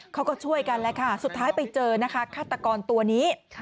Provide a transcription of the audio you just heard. เขาก็ช่วยกันแหละค่ะสุดท้ายไปเจอนะคะฆาตกรตัวนี้